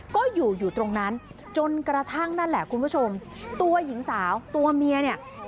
ก็อยู่อยู่ตรงนั้นจนกระทั่งนั่นแหละคุณผู้ชมตัวหญิงสาวตัวเมียเนี่ย